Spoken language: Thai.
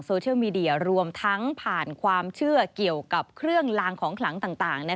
โซเชียลมีเดียรวมทั้งผ่านความเชื่อเกี่ยวกับเครื่องลางของขลังต่าง